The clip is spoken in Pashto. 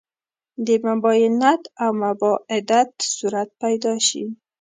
د مباینت او مباعدت صورت پیدا شي.